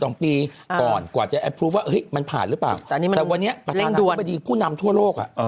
อันนี้มันเล็งดวนประธานาคิปถีขู้นำทั่วโลก